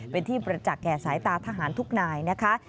เป็นที่ประจักษ์แก่สายตาทหารทุกนายนะคะ